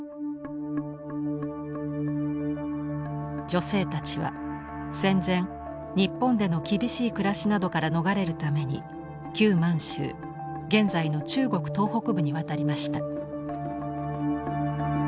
女性たちは戦前日本での厳しい暮らしなどから逃れるために旧満州現在の中国東北部に渡りました。